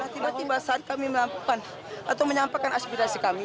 tiba tiba saat kami melakukan atau menyampaikan aspirasi kami